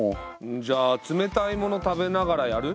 じゃあ冷たいもの食べながらやる？